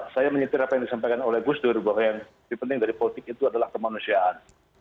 saya menyetir apa yang disampaikan oleh gus dur bahwa yang lebih penting dari politik itu adalah kemanusiaan